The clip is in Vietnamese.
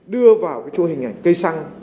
đưa vào cái chỗ hình ảnh cây xăng